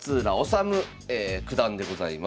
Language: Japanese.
修九段でございます。